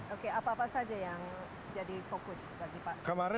oke apa apa saja yang jadi fokus bagi pak